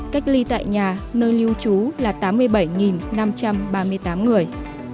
cách ly tại nhà nơi lưu trú là tám mươi bảy năm trăm ba mươi tám người